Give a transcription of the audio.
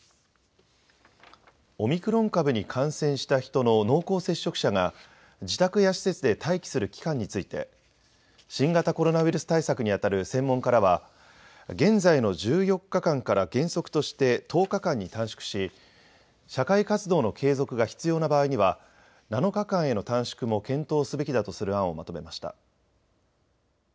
オミクロン株に感染した人の濃厚接触者が、自宅や施設で待機する期間について、新型コロナウイルス対策に当たる専門家らは、現在の１４日間から原則として１０日間に短縮し、社会活動の継続が必要な場合には、７日間への短縮も検討すべきだとする案をまとめました。